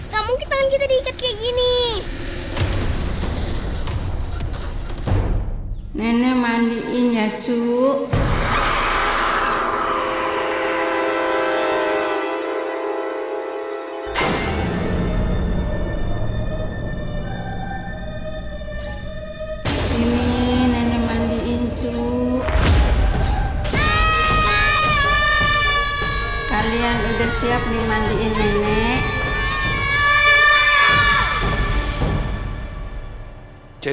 kayu nah nenek pegang ya